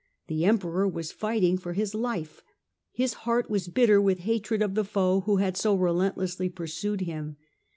The Emperor was fighting for his life. His heart was bitter with hatred of the foe who had so relentlessly pursued him.